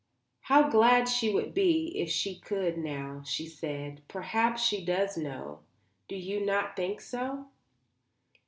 "How glad she would be if she could know," she said. "Perhaps she does know. Do you not think so?"